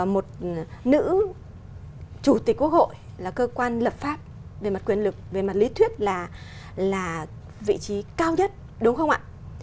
một nữ chủ tịch quốc hội là cơ quan lập pháp về mặt quyền lực về mặt lý thuyết là vị trí cao nhất đúng không ạ